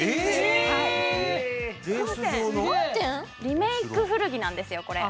リメーク古着なんですよこれ。